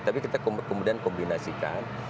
tapi kita kemudian kombinasikan